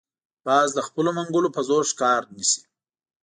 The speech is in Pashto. باز د خپلو منګولو په زور ښکار نیسي